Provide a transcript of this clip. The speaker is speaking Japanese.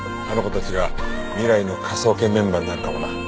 あの子たちが未来の科捜研メンバーになるかもな。